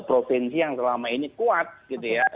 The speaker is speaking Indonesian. provinsi yang selama ini kuat gitu ya